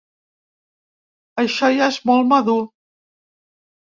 Això ja és molt madur.